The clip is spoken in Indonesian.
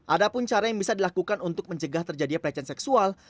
ada pun cara yang bisa dilakukan untuk mencegah terjadinya pelecehan seksual